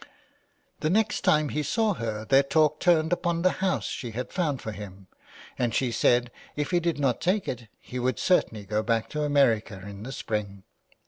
The next time he saw her their talk turned upon the house she had found for him, and she said if he did not take it he would certainly go back to America in the spring.